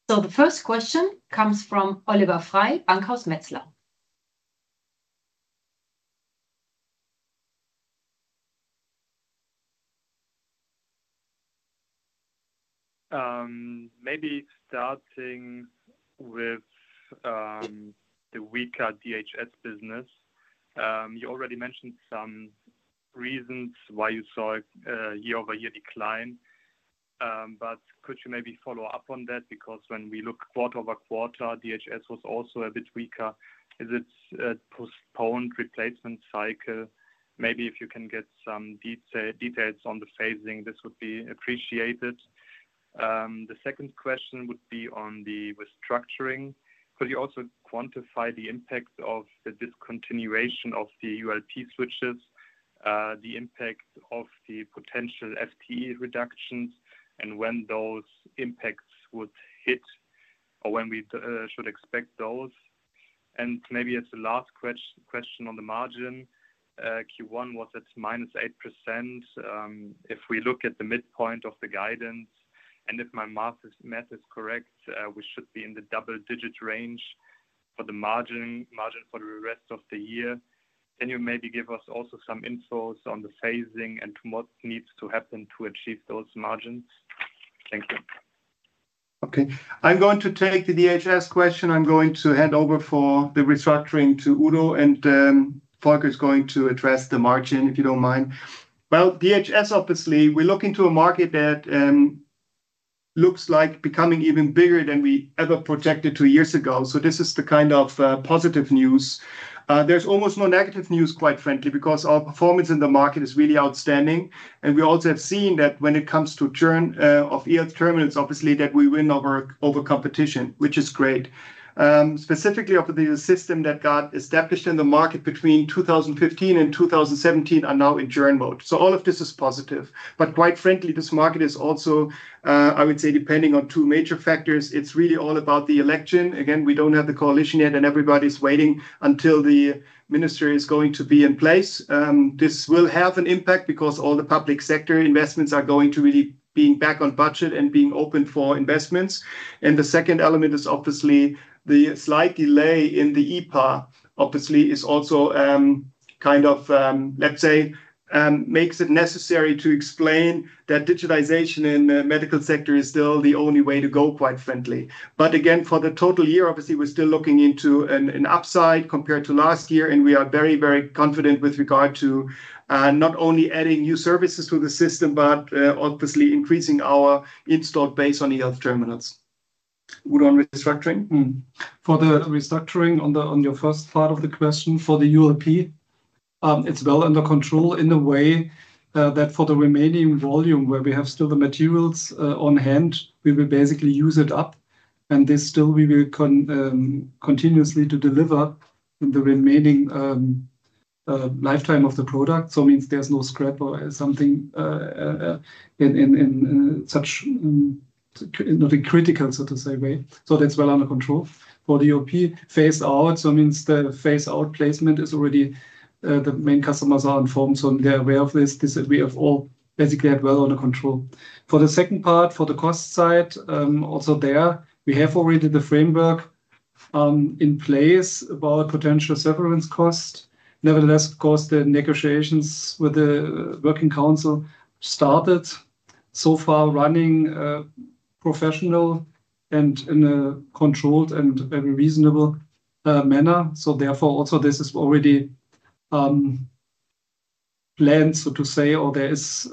The first question comes from Oliver Frey, Bankhaus Metzler. Maybe starting with the weaker DHS business. You already mentioned some reasons why you saw a year-over-year decline, but could you maybe follow up on that? Because when we look quarter over quarter, DHS was also a bit weaker. Is it a postponed replacement cycle? Maybe if you can get some details on the phasing, this would be appreciated. The second question would be on the restructuring. Could you also quantify the impact of the discontinuation of the ULP switches, the impact of the potential FTE reductions, and when those impacts would hit, or when we should expect those? Maybe as a last question on the margin, Q1 was at -8%. If we look at the midpoint of the guidance, and if my math is correct, we should be in the double-digit range for the margin for the rest of the year. Can you maybe give us also some info on the phasing and what needs to happen to achieve those margins? Thank you. Okay. I'm going to take the DHS question. I'm going to hand over for the restructuring to Udo, and Volker is going to address the margin, if you don't mind. DHS, obviously, we're looking to a market that looks like becoming even bigger than we ever projected two years ago. This is the kind of positive news. There's almost no negative news, quite frankly, because our performance in the market is really outstanding. We also have seen that when it comes to churn of terminals, obviously, that we win over competition, which is great. Specifically, the system that got established in the market between 2015 and 2017 is now in churn mode. All of this is positive. Quite frankly, this market is also, I would say, depending on two major factors. It's really all about the election. Again, we don't have the coalition yet, and everybody's waiting until the ministry is going to be in place. This will have an impact because all the public sector investments are going to really be back on budget and being open for investments. The second element is obviously the slight delay in the EPA, obviously, is also kind of, let's say, makes it necessary to explain that digitization in the medical sector is still the only way to go, quite frankly. For the total year, obviously, we're still looking into an upside compared to last year, and we are very, very confident with regard to not only adding new services to the system, but obviously increasing our installed base on terminals. Would on restructuring? For the restructuring on your first part of the question for the ULP, it's well under control in the way that for the remaining volume where we have still the materials on hand, we will basically use it up. This still we will continuously deliver in the remaining lifetime of the product. It means there's no scrap or something in such not a critical, so to say, way. That's well under control for the ULP phase out. It means the phase out placement is already, the main customers are informed, so they're aware of this. This we have all basically had well under control. For the second part, for the cost side, also there, we have already the framework in place about potential severance cost. Nevertheless, of course, the negotiations with the working council started so far running professional and in a controlled and reasonable manner. Therefore, also this is already planned, so to say, or there is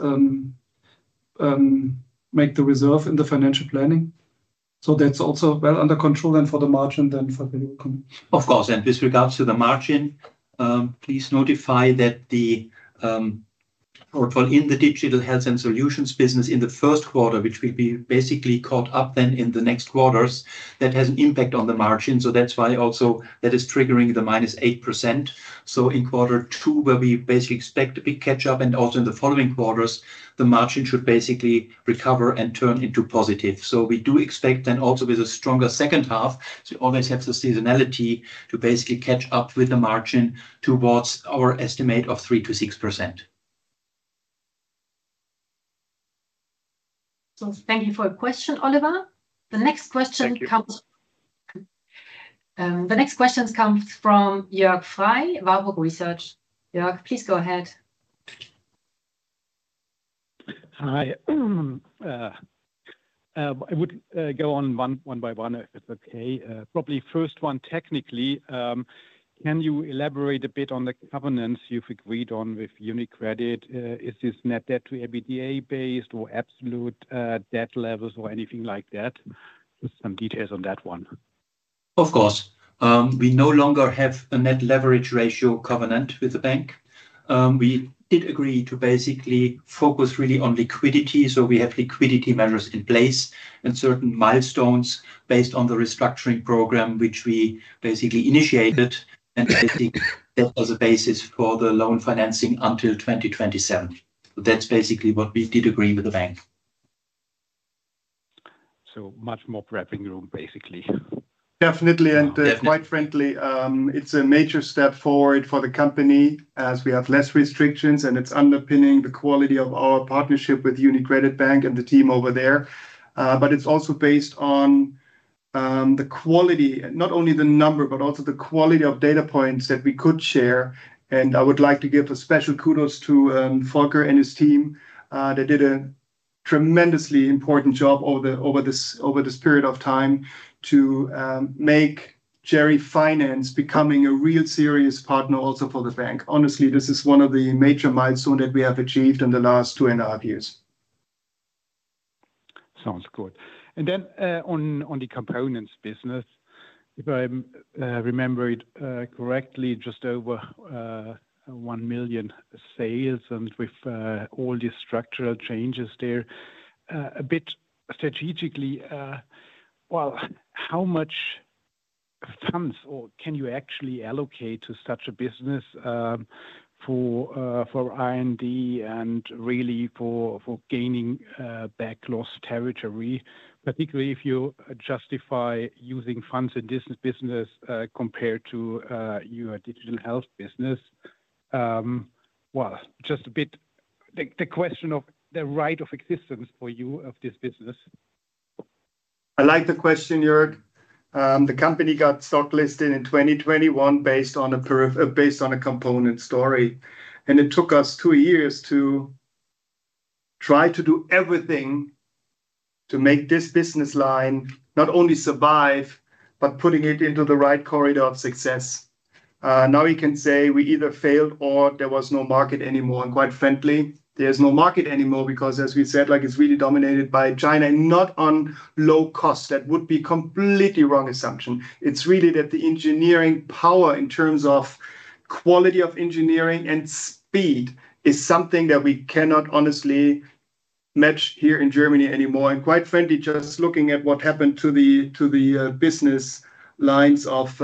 make the reserve in the financial planning. That's also well under control and for the margin then for the ULP. Of course, and with regards to the margin, please notify that the portfolio in the digital health and solutions business in the first quarter, which will be basically caught up then in the next quarters, that has an impact on the margin. That is why also that is triggering the minus 8%. In quarter two, where we basically expect a big catch-up, and also in the following quarters, the margin should basically recover and turn into positive. We do expect then also with a stronger second half, we always have the seasonality to basically catch up with the margin towards our estimate of 3-6%. Thank you for your question, Oliver. The next question comes from Jörg Frey, Warburg Research. Jörg, please go ahead. Hi. I would go on one by one if it's okay. Probably first one technically. Can you elaborate a bit on the covenants you've agreed on with UniCredit? Is this net debt to EBITDA based or absolute debt levels or anything like that? Some details on that one. Of course. We no longer have a net leverage ratio covenant with the bank. We did agree to basically focus really on liquidity. We have liquidity measures in place and certain milestones based on the restructuring program, which we basically initiated and basically set as a basis for the loan financing until 2027. That is basically what we did agree with the bank. Much more prepping room, basically. Definitely. Quite frankly, it's a major step forward for the company as we have less restrictions and it's underpinning the quality of our partnership with UniCredit Bank and the team over there. It is also based on the quality, not only the number, but also the quality of data points that we could share. I would like to give a special kudos to Volker and his team. They did a tremendously important job over this period of time to make Cherry Finance becoming a real serious partner also for the bank. Honestly, this is one of the major milestones that we have achieved in the last two and a half years. Sounds good. On the components business, if I remember it correctly, just over 1 million sales and with all the structural changes there, a bit strategically, well, how much funds can you actually allocate to such a business for R&D and really for gaining back lost territory, particularly if you justify using funds in this business compared to your digital health business? Just a bit, the question of the right of existence for you of this business. I like the question, Jörg. The company got stock listed in 2021 based on a component story. It took us two years to try to do everything to make this business line not only survive, but putting it into the right corridor of success. Now we can say we either failed or there was no market anymore. Quite frankly, there is no market anymore because, as we said, it is really dominated by China and not on low cost. That would be a completely wrong assumption. It is really that the engineering power in terms of quality of engineering and speed is something that we cannot honestly match here in Germany anymore. Quite frankly, just looking at what happened to the business lines of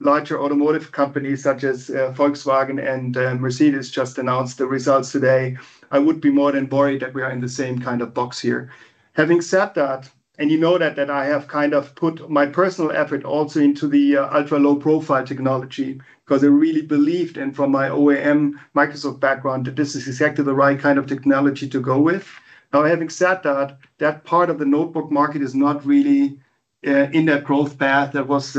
larger automotive companies such as Volkswagen and Mercedes just announced the results today, I would be more than worried that we are in the same kind of box here. Having said that, and you know that I have kind of put my personal effort also into the ultra-low-profile technology because I really believed in from my OEM Microsoft background that this is exactly the right kind of technology to go with. Now, having said that, that part of the notebook market is not really in that growth path that was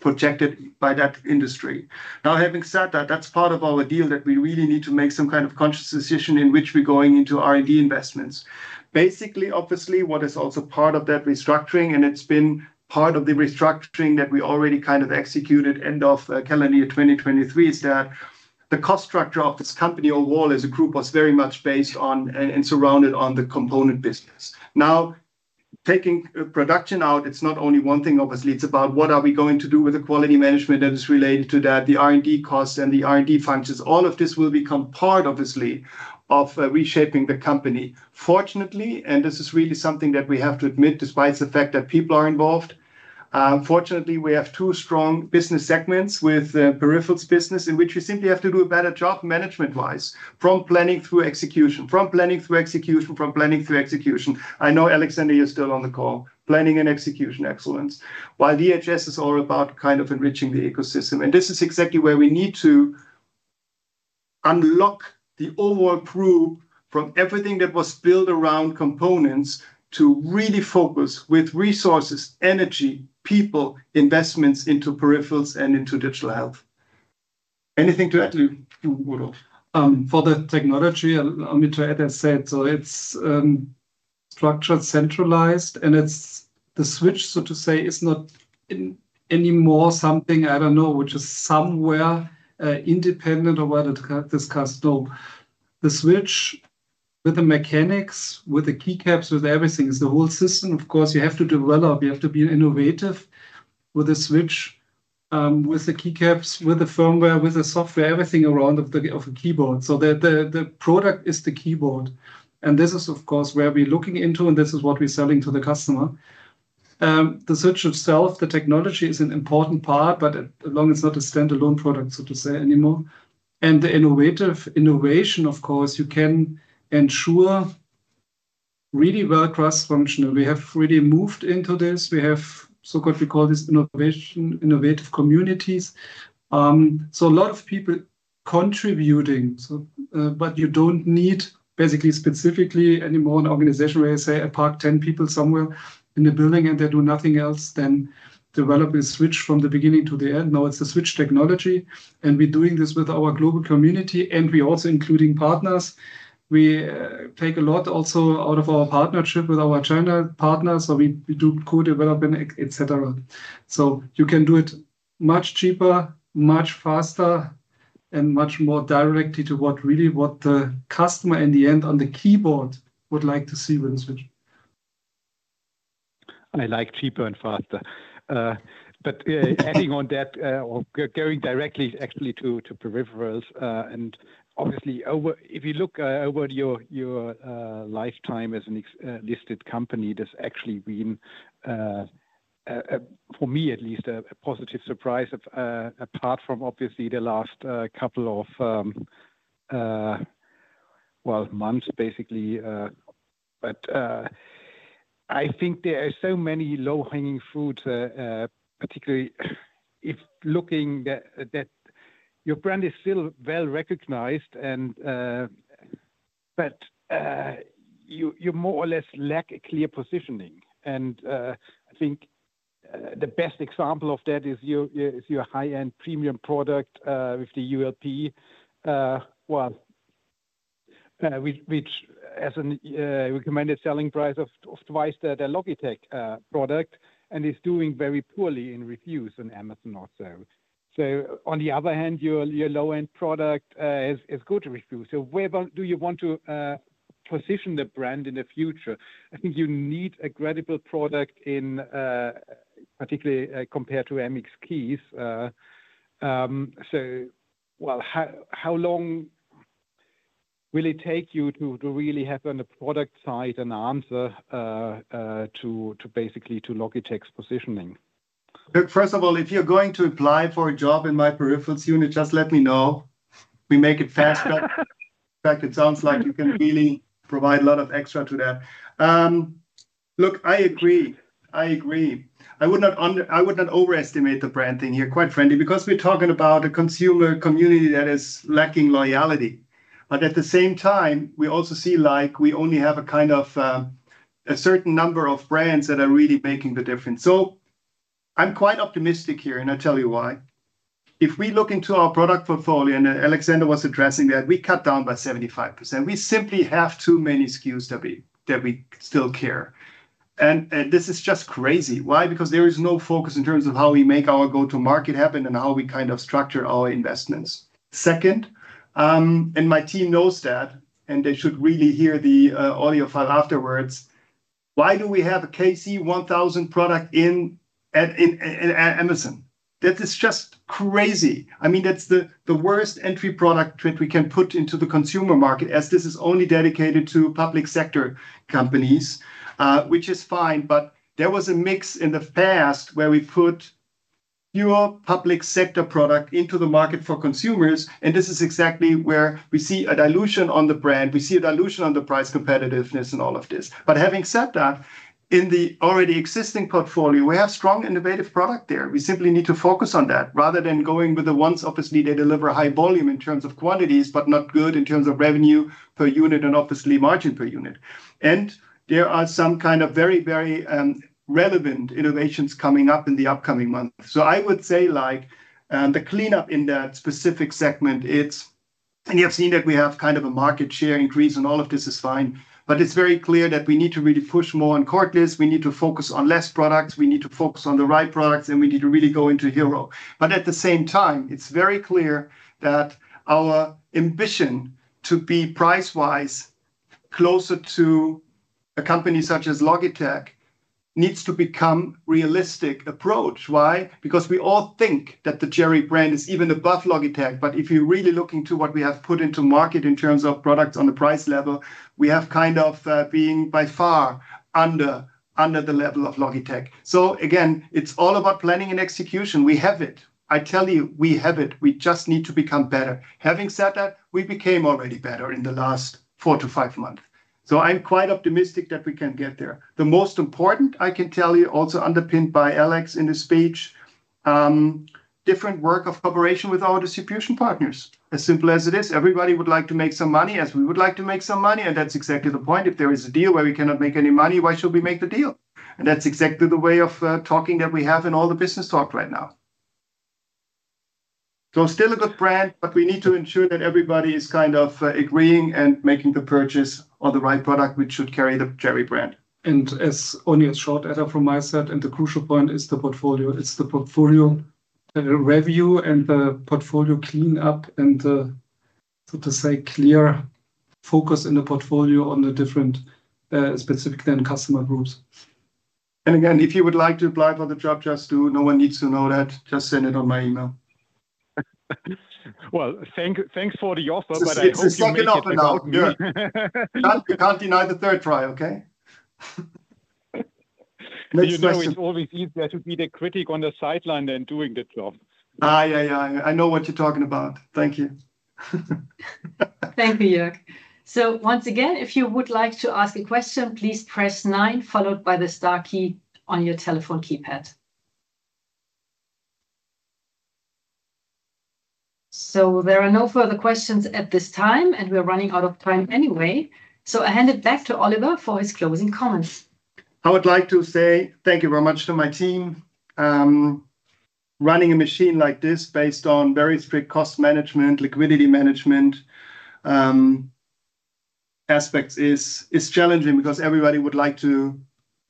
projected by that industry. Now, having said that, that's part of our deal that we really need to make some kind of conscious decision in which we're going into R&D investments. Basically, obviously, what is also part of that restructuring, and it's been part of the restructuring that we already kind of executed end of calendar year 2023, is that the cost structure of this company overall as a group was very much based on and surrounded on the component business. Now, taking production out, it's not only one thing, obviously. It's about what are we going to do with the quality management that is related to that, the R&D costs and the R&D functions. All of this will become part, obviously, of reshaping the company. Fortunately, and this is really something that we have to admit despite the fact that people are involved, fortunately, we have two strong business segments with peripherals business in which we simply have to do a better job management-wise, from planning through execution, from planning through execution. I know, Alexander, you're still on the call. Planning and execution excellence. While DHS is all about kind of enriching the ecosystem. This is exactly where we need to unlock the overall prove from everything that was built around components to really focus with resources, energy, people, investments into peripherals and into digital health. Anything to add, Udo, for the technology? Let me try to add a set. It is structured, centralized, and the switch, so to say, is not anymore something, I don't know, which is somewhere independent of what I discussed. No, the switch with the mechanics, with the keycaps, with everything is the whole system. Of course, you have to develop. You have to be innovative with the switch, with the keycaps, with the firmware, with the software, everything around of the keyboard. The product is the keyboard. This is, of course, where we're looking into, and this is what we're selling to the customer. The switch itself, the technology is an important part, but as long as it's not a standalone product, so to say, anymore. The innovation, of course, you can ensure really well cross-functional. We have really moved into this. We have so-called, we call this innovation innovative communities. A lot of people contributing, but you don't need basically specifically anymore an organization where you say, I park 10 people somewhere in the building and they do nothing else than develop a switch from the beginning to the end. No, it's a switch technology. We're doing this with our global community, and we're also including partners. We take a lot also out of our partnership with our China partners. We do co-development, etc. You can do it much cheaper, much faster, and much more directly to what really what the customer in the end on the keyboard would like to see with the switch. I like cheaper and faster. Adding on that, going directly actually to peripherals. Obviously, if you look over your lifetime as a listed company, there's actually been, for me at least, a positive surprise apart from obviously the last couple of months basically. I think there are so many low-hanging fruits, particularly if looking that your brand is still well recognized, but you more or less lack a clear positioning. I think the best example of that is your high-end premium product with the ultra-low-profile switch, which has a recommended selling price of twice the Logitech product and is doing very poorly in reviews on Amazon also. On the other hand, your low-end product is good reviews. Where do you want to position the brand in the future? I think you need a credible product in particularly compared to MX Keys. How long will it take you to really have on the product side an answer to basically to Logitech's positioning? First of all, if you're going to apply for a job in my peripherals unit, just let me know. We make it fast. In fact, it sounds like you can really provide a lot of extra to that. Look, I agree. I agree. I would not overestimate the brand thing here, quite frankly, because we're talking about a consumer community that is lacking loyalty. At the same time, we also see like we only have a kind of a certain number of brands that are really making the difference. I'm quite optimistic here, and I'll tell you why. If we look into our product portfolio, and Alexander was addressing that, we cut down by 75%. We simply have too many SKUs that we still carry. This is just crazy. Why? Because there is no focus in terms of how we make our go-to-market happen and how we kind of structure our investments. Second, and my team knows that, and they should really hear the audio file afterwards. Why do we have a KC1000 product in Amazon? That is just crazy. I mean, that's the worst entry product that we can put into the consumer market as this is only dedicated to public sector companies, which is fine. There was a mix in the past where we put fewer public sector products into the market for consumers. This is exactly where we see a dilution on the brand. We see a dilution on the price competitiveness and all of this. Having said that, in the already existing portfolio, we have strong innovative product there. We simply need to focus on that rather than going with the ones. Obviously, they deliver high volume in terms of quantities, but not good in terms of revenue per unit and obviously margin per unit. There are some kind of very, very relevant innovations coming up in the upcoming months. I would say like the cleanup in that specific segment, and you have seen that we have kind of a market share increase and all of this is fine. It is very clear that we need to really push more on cordless. We need to focus on less products. We need to focus on the right products, and we need to really go into Hero. At the same time, it's very clear that our ambition to be price-wise closer to a company such as Logitech needs to become a realistic approach. Why? Because we all think that the Cherry brand is even above Logitech. If you're really looking to what we have put into market in terms of products on the price level, we have kind of been by far under the level of Logitech. Again, it's all about planning and execution. We have it. I tell you, we have it. We just need to become better. Having said that, we became already better in the last four to five months. I am quite optimistic that we can get there. The most important, I can tell you, also underpinned by Alex in this page, different work of cooperation with our distribution partners. As simple as it is. Everybody would like to make some money as we would like to make some money. That's exactly the point. If there is a deal where we cannot make any money, why should we make the deal? That's exactly the way of talking that we have in all the business talk right now. Still a good brand, but we need to ensure that everybody is kind of agreeing and making the purchase on the right product, which should carry the Cherry brand. As only a short add from my side, the crucial point is the portfolio. It's the portfolio review and the portfolio cleanup and the, so to say, clear focus in the portfolio on the different specific customer groups. And again, if you would like to apply for the job, just do. No one needs to know that. Just send it on my email. Thanks for the offer, but I hope you make it. You can't deny the third try, okay? You know, it's always easier to be the critic on the sideline than doing the job. Yeah, yeah. I know what you're talking about. Thank you. Thank you, Jörg. Once again, if you would like to ask a question, please press nine followed by the star key on your telephone keypad. There are no further questions at this time, and we're running out of time anyway. I hand it back to Oliver for his closing comments. I would like to say thank you very much to my team. Running a machine like this based on very strict cost management, liquidity management aspects is challenging because everybody would like to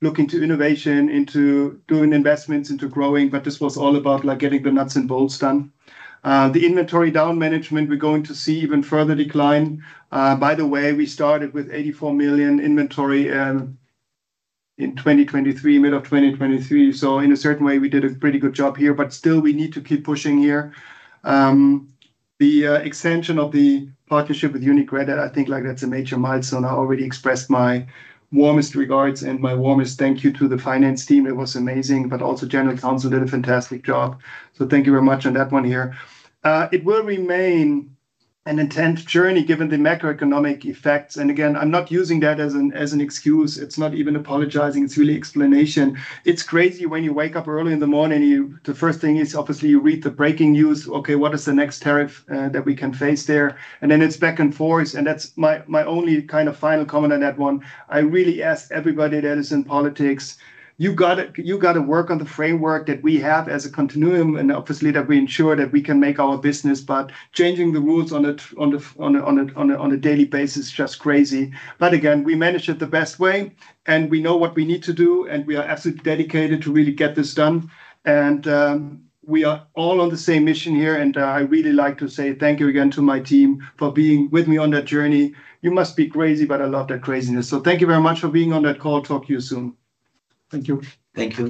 look into innovation, into doing investments, into growing, but this was all about getting the nuts and bolts done. The inventory down management, we're going to see even further decline. By the way, we started with 84 million inventory in 2023, mid of 2023. In a certain way, we did a pretty good job here, but still, we need to keep pushing here. The extension of the partnership with UniCredit, I think that's a major milestone. I already expressed my warmest regards and my warmest thank you to the finance team. It was amazing, but also General Counsel did a fantastic job. Thank you very much on that one here. It will remain an intense journey given the macroeconomic effects. Again, I'm not using that as an excuse. It's not even apologizing. It's really explanation. It's crazy when you wake up early in the morning, the first thing is obviously you read the breaking news. Okay, what is the next tariff that we can face there? Then it's back and forth. That's my only kind of final comment on that one. I really ask everybody that is in politics, you got to work on the framework that we have as a continuum and obviously that we ensure that we can make our business. Changing the rules on it on a daily basis is just crazy. Again, we manage it the best way and we know what we need to do and we are absolutely dedicated to really get this done. We are all on the same mission here. I really like to say thank you again to my team for being with me on that journey. You must be crazy, but I love that craziness. Thank you very much for being on that call. Talk to you soon. Thank you. Thank you.